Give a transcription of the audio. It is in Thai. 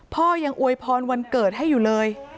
พ่อยังอวยพรวันเกิดให้อยู่เลย